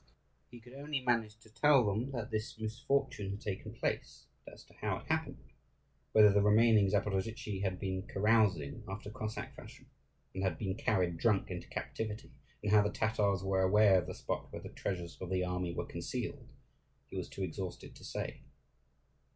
He could only manage to tell them that this misfortune had taken place; but as to how it happened whether the remaining Zaporozhtzi had been carousing after Cossack fashion, and had been carried drunk into captivity, and how the Tatars were aware of the spot where the treasures of the army were concealed he was too exhausted to say.